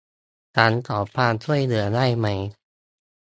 ฉันขอความช่วยเหลือได้ไหม